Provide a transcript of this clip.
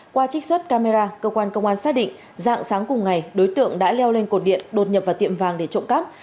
qua trích xuất camera cơ quan công an xác định dạng sáng cùng ngày đối tượng đã leo lên cột điện đột nhập vào tiệm vàng để trộm cắp